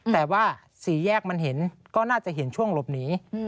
แต่ว่าสี่แยกมันเห็นก็น่าจะเห็นช่วงหลบหนี